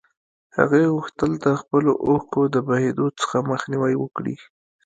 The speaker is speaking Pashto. هغې غوښتل د خپلو اوښکو د بهېدو څخه مخنيوی وکړي.